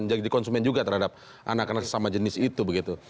menjadi konsumen juga terhadap anak anak sesama jenis itu begitu